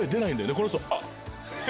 この人「あっ」。